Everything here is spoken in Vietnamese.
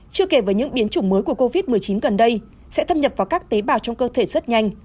chưa kể với những biến chủng mới của covid một mươi chín gần đây sẽ thâm nhập vào các tế bào trong cơ thể rất nhanh